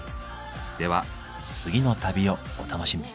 では次の旅をお楽しみに。